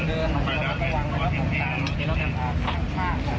เดี๋ยวลองแป๊บ